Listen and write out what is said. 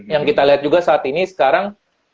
yang kita lihat juga saat ini sekarang